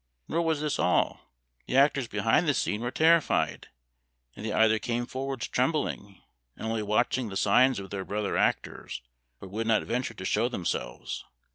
Nor was this all; the actors behind the scene were terrified, and they either came forwards trembling, and only watching the signs of their brother actors, or would not venture to show themselves.